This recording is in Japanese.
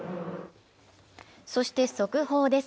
そして速報です。